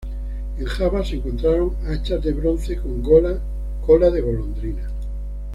En Java se encontraron hachas de bronce con cola de golondrina.